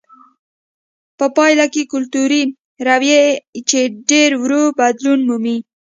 په پایله کې کلتوري رویې چې ډېر ورو بدلون مومي.